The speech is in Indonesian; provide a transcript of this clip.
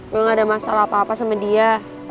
gue gak ada masalah apa apa sama dia